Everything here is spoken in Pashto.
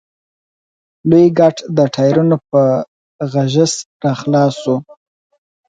لوی ګټ د ټايرونو په غژس راخلاص شو.